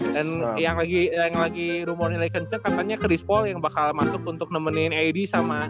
dan yang lagi rumor nilai kenceng katanya chris paul yang bakal masuk untuk nemenin aidy sama